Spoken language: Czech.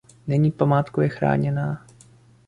Není památkově chráněná.